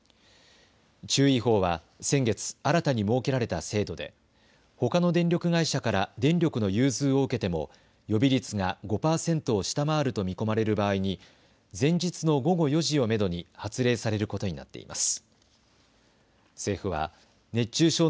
注意報は先月、新たに設けられた制度でほかの電力会社から電力の融通を受けても予備率が５％を下回ると見込まれる場合に前日の午後４時をめどに発令されることになっています。